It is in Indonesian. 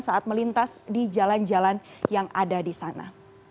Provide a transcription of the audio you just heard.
saat melintas di jalan jalan yang ada di sana